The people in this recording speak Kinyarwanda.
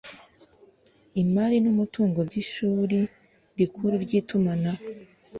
imari n umutungo by Ishuri Rikuru ry Itumanaho